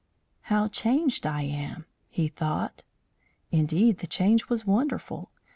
"How changed I am!" he thought. Indeed, the change was wonderful.